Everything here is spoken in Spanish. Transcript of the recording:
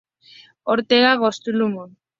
Ortega Gastelum.